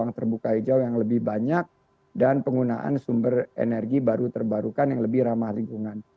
ruang terbuka hijau yang lebih banyak dan penggunaan sumber energi baru terbarukan yang lebih ramah lingkungan